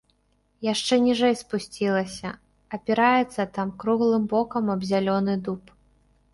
Яшчэ ніжэй спусцілася, апіраецца там круглым бокам аб зялёны дуб.